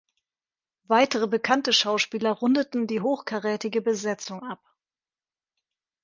Weitere bekannte Schauspieler rundeten die hochkarätige Besetzung ab.